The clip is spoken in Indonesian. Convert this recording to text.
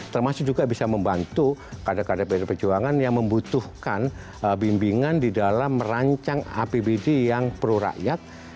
termasuk juga bisa membantu kadang kadang pdi perjuangan yang membutuhkan bimbingan di dalam merancang apbd yang prurakyat